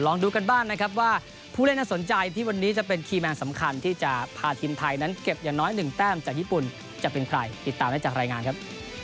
ดูกันบ้างนะครับว่าผู้เล่นน่าสนใจที่วันนี้จะเป็นคีย์แมนสำคัญที่จะพาทีมไทยนั้นเก็บอย่างน้อย๑แต้มจากญี่ปุ่นจะเป็นใครติดตามได้จากรายงานครับ